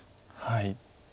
はい。